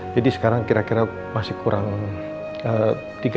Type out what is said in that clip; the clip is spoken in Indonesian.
jadi sekarang kira kira masih kurang